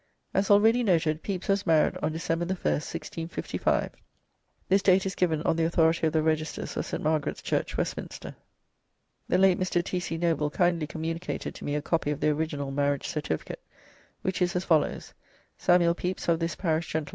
As already noted, Pepys was married on December 1st, 1655. This date is given on the authority of the Registers of St. Margaret's Church, Westminster, [The late Mr. T. C. Noble kindly communicated to me a copy of the original marriage certificate, which is as follows: "Samuell Peps of this parish Gent.